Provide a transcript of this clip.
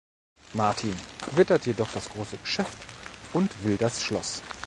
Martin, wittert jedoch das große Geschäft und will das Schloss.